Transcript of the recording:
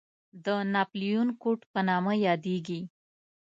د ناپلیون کوډ په نامه یادېږي.